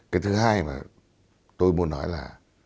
cái thứ hai mà tôi muốn nói là